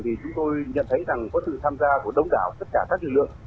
thì chúng tôi nhận thấy rằng có sự tham gia của đông đảo tất cả các lực lượng